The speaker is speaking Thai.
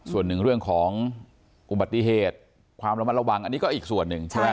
ส่วนหนึ่งเรื่องของอุบัติเหตุความระมัดระวังอันนี้ก็อีกส่วนหนึ่งใช่ไหม